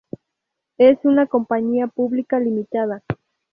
Es una compañía pública limitada.